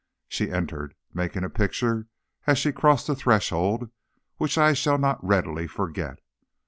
She entered, making a picture, as she crossed the threshold, which I shall not readily forget.